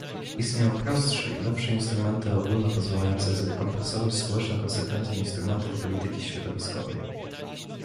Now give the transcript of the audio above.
Istnieją prostsze i lepsze instrumenty ogólne pozwalające zrekompensować społeczne konsekwencje instrumentów polityki środowiskowej